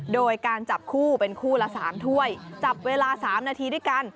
โดยการจับคู่เป็นคู่ละ๓ถ้วยจับเวลา๓นาทีด้วยกัน